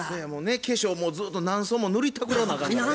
化粧もうずっと何層も塗りたくらなあかんからね。